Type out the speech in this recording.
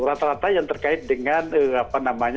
rata rata yang terkait dengan